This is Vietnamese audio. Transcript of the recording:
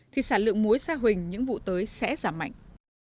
thì sản lượng muối sa huỳnh những vụ tới sẽ giảm mạnh